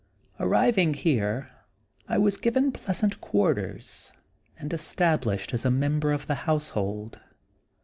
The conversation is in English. Arriving here, I was given pleasant quarters, and established as a member of the household.